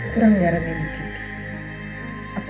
kurang garamnya nanti